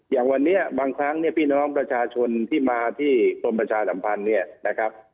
อย่างวันนี้บางครั้งพี่น้องประชาชนที่มาที่กรมประชาสัมพันธ์